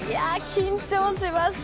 緊張しました。